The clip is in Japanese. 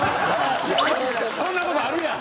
そんな事あるやん！